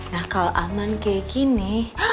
nah kalau aman kayak gini